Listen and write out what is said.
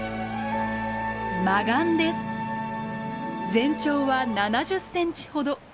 全長は７０センチほど。